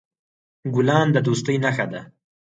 ګلان د دوستی نښه ده.